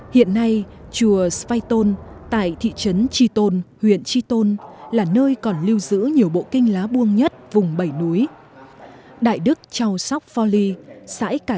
hiện nay chùa svaytôn tại thị trấn tri tôn huyện tri tôn là nơi còn lưu giữ nhiều bộ kinh lá